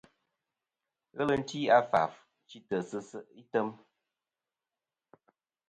Ghelɨ ti a faf chitɨ sɨ se' item.